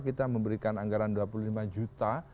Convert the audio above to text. kita memberikan anggaran dua puluh lima juta